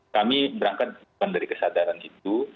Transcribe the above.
kami berangkat bukan dari kesadaran itu